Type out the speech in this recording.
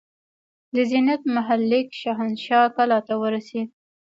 د زینت محل لیک شاهنشاه کلا ته ورسېد.